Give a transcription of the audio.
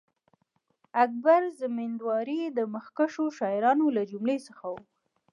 اکبر زمینداوری د مخکښو شاعرانو له جملې څخه وو.